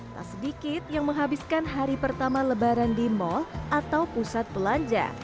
tak sedikit yang menghabiskan hari pertama lebaran di mal atau pusat belanja